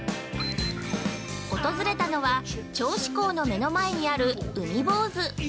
訪れたのは、銚子港の目の前にある、海ぼうず。